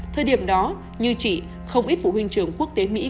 thời điểm đó như chị không ít phụ huynh trường quốc tế mỹ